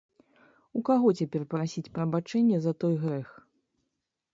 У каго цяпер прасіць прабачэння за той грэх?